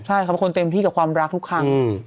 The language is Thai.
ใช่เขาเป็นคนเต็มที่กับความรักทุกครั้ง